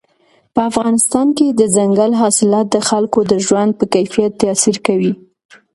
په افغانستان کې دځنګل حاصلات د خلکو د ژوند په کیفیت تاثیر کوي.